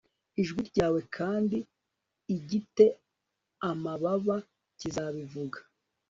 ijwi ryawe kandi igi te amababa kizabivuga